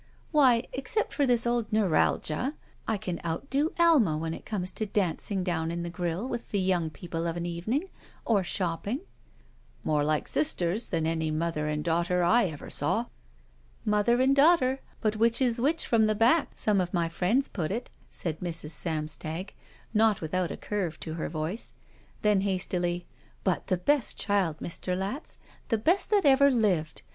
Why, except for this old neuralgia, I can outdo Alma when it comes to dancing down in the grill with the young people of an evening, or shop ping." "More like sisters than any mother and daughter I ever saw." "Mother and daughter, but which is which from the back, some of my Mends put it," said Mrs. Samstag, not without a curve to her voice; then, hastily: "But the best child, Mr. Latz. The best that ever lived.